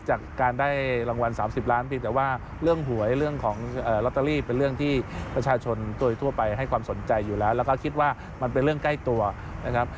จากการได้รางวัล๓๐ล้านเพียงแต่ว่าเรื่องหวยเรื่องของลอตเตอรี่เป็นเรื่องที่ประชาชนโดยทั่วไปให้ความสนใจอยู่แล้วแล้วก็คิดว่ามันเป็นเรื่องใกล้ตัวนะครับ